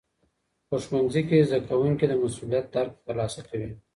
په ښوونځي کي زدهکوونکي د مسوولیت درک ترلاسه کوي.